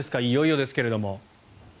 いよいよですけれども。